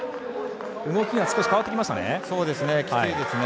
動きが変わってきましたね。